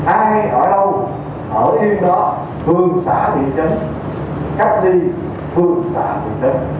ai ở đâu ở yên đó phương xã miền trinh cách đi phương xã miền trinh